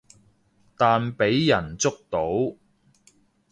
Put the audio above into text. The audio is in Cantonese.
但畀人捉到